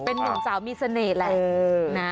เป็นหนึ่งเจ้ามีเสน่ห์แหละ